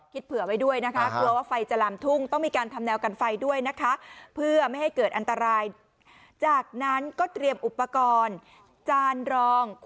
คิดเผื่อไว้ด้วยนะคะกลัวว่าไฟจะลำทุ่ง